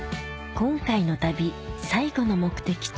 今回の旅最後の目的地